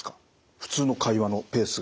普通の会話のペースが。